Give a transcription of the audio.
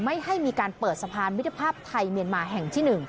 ไม่ให้มีการเปิดสะพานมิตรภาพไทยเมียนมาแห่งที่๑